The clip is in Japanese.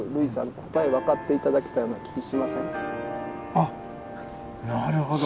あっなるほど。